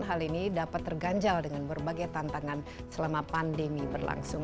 hal ini dapat terganjal dengan berbagai tantangan selama pandemi berlangsung